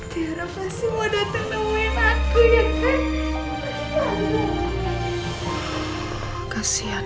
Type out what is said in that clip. tiara pasti mau dateng nemuin aku ya kan